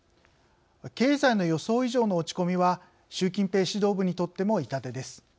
経済の予想以上の落ち込みは習近平指導部にとっても痛手です。